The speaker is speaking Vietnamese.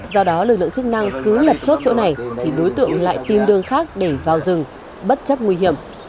do đó lực lượng chức năng cứ lập chốt chỗ này thì đối tượng lại tìm đường khác để vào rừng bất chấp nguy hiểm